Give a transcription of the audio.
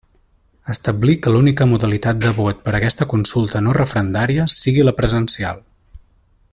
Establir que l'única modalitat de vot per aquesta consulta no referendària sigui la presencial.